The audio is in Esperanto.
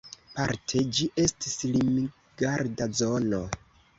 Parte ĝi estis limgarda zono.